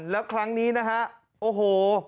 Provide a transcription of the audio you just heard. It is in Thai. แล้วครั้งนี้นะฮะโอ้โห